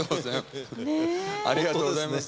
ありがとうございます。